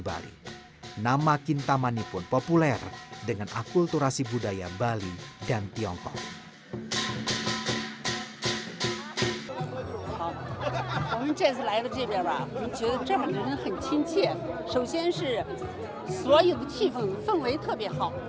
cerita rakyat yang melegenda inilah yang diyakini masyarakat sebagai asal muasal masuknya etnis tiongkok